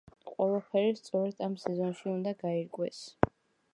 ყველაფერი სწორედ ამ სეზონში უნდა გაირკვეს.